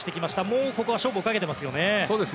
もうここは勝負をかけていますね。